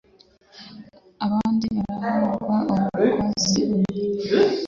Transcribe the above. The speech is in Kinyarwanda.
abandi barahigwa bukwasi ubu ,